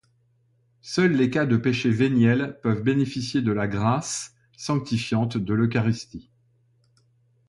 Seuls les cas de péchés véniels peuvent bénéficier de la grâce sanctifiante de l'eucharistie.